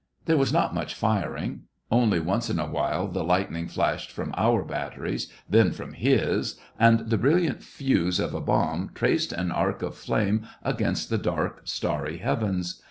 There was not much firing ; only once in a while the lightning flashed from our batteries, then from /its, and the brilliant fuse of a bomb traced an arc of flame against the dark, starry heavens.